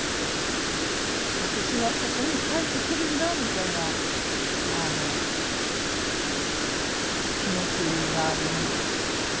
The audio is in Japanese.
私はここに帰ってくるんだみたいな気持ちがあります。